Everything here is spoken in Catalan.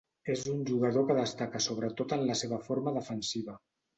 És un jugador que destaca sobretot en la seva forma defensiva.